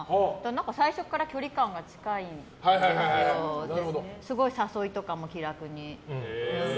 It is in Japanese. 最初から距離感が近いのですごい誘いとかも気楽に。